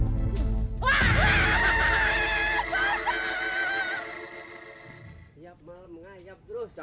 setiap malam saya mengayap terus